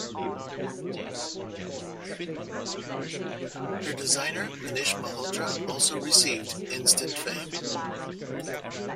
Her designer Manish Malhotra also received instant fame.